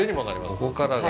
ここからが。